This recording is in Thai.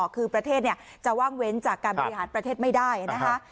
คือประเทศจะว่างเว้นจากการบริหารประเทศไม่ได้นะคะ